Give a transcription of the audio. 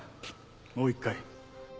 もう一回。